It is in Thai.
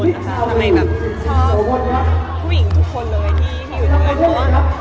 ทำไมชื่อสู้ผู้หญิงทุกคนเลยที่อยู่เนื้อ